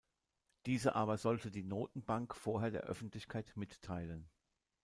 Diese aber sollte die Notenbank vorher der Öffentlichkeit mitteilen.